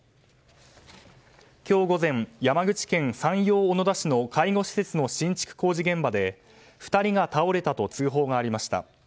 今日午前、山口県山陽小野田市の介護施設の新築工事現場で２人が倒れたと通報がありました。